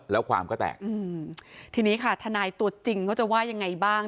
แล้วความก็แตกอืมทีนี้ค่ะทนายตัวจริงเขาจะว่ายังไงบ้าง